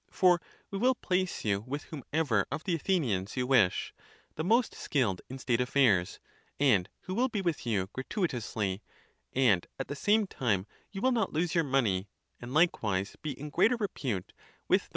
For we will place you with whomever of the Athenians you wish, the most skilled? in state affairs, and who will be with you gratuitous ly ;* and at the same time you will not lose your money, and 1 Stalbaum here refers to Protag.